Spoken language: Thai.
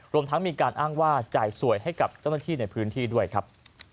รวมทั้งมีการอ้างว่าจ่ายสวยให้กับเจ้าหน้าที่ในพื้นที่ด้วยครับ